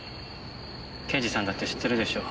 刑事さんだって知ってるでしょ。